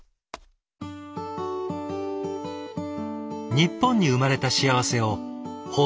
日本に生まれた幸せを頬張ろう。